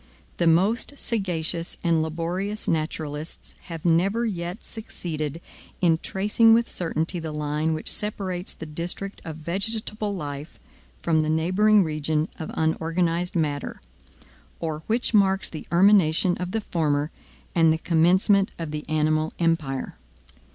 The most sagacious and laborious naturalists have never yet succeeded in tracing with certainty the line which separates the district of vegetable life from the neighboring region of unorganized matter, or which marks the termination of the former and the commencement of the animal empire.